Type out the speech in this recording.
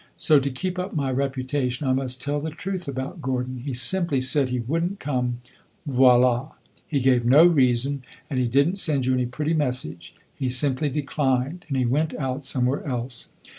So, to keep up my reputation, I must tell the truth about Gordon. He simply said he would n't come voila! He gave no reason and he did n't send you any pretty message. He simply declined, and he went out somewhere else.